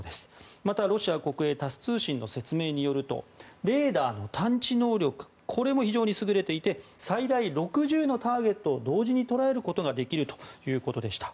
また、ロシア国営タス通信の説明によるとレーダーの探知能力も非常に優れていて最大６０のターゲットを同時に捉えることができるということでした。